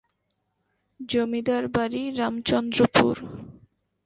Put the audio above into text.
জমিদার বাড়ি, রামচন্দ্রপুর।